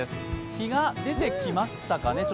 日が出てきましたかね。